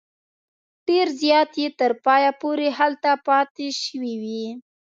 ډېر زیات یې تر پایه پورې هلته پاته شوي وي.